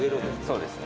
そうですね。